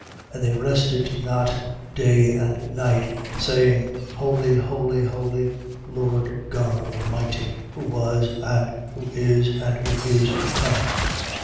And they rested not day and night, saying: Holy, Holy, Holy, Lord God Almighty, who was and who is and who is to come.